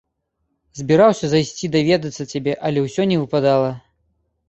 Збіраўся зайсці даведацца цябе, але ўсё не выпадала.